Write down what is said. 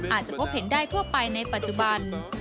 อาจจะพบเห็นได้ทั่วไปในปัจจุบัน